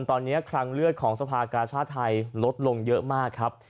ตอนนี้คลังเลือดของสภากาชาติไทยลดลงเยอะมากครับ